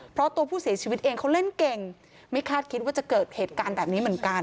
เพราะตัวผู้เสียชีวิตเองเขาเล่นเก่งไม่คาดคิดว่าจะเกิดเหตุการณ์แบบนี้เหมือนกัน